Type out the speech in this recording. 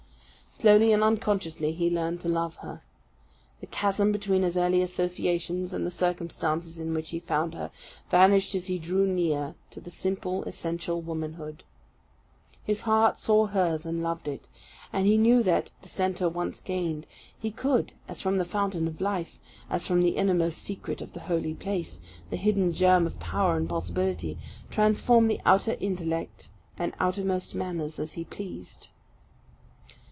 Slowly and unconsciously he learned to love her. The chasm between his early associations and the circumstances in which he found her, vanished as he drew near to the simple, essential womanhood. His heart saw hers and loved it; and he knew that, the centre once gained, he could, as from the fountain of life, as from the innermost secret of the holy place, the hidden germ of power and possibility, transform the outer intellect and outermost manners as he pleased.